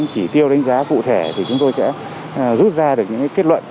chỉ tiêu đánh giá cụ thể thì chúng tôi sẽ rút ra được những kết luận